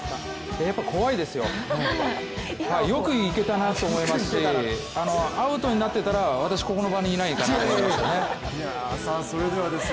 やっぱり怖いですよ、よくいけたなと思いますしアウトになってたら私ここの場にいないと思いますね。